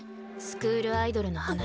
スクールアイドルの話。